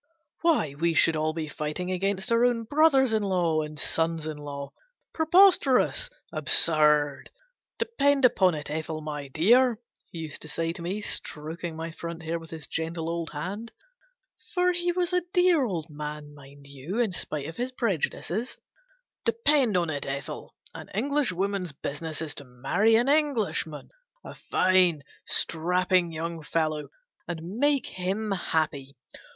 Why, we should all be fighting against our own brothers in law and 316 GENERAL PASSAVANT'S WILL. sons in law! Preposterous! Absurd! "De pend upon it, Ethel, my dear," he used to say to me, stroking my front hair with his gentle old hand for he was a dear old man, mind you, in spite of his prejudices " depend upon it, Ethel, an Englishwoman's business is to marry an Englishman a fine, strapping young fellow and make him happy.